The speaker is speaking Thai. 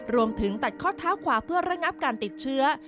ตัดข้อเท้าขวาเพื่อระงับการติดเชื้อ